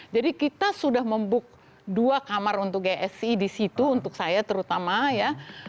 jadi kita sudah membuka dua kamar untuk gsi di situ untuk saya terutama ya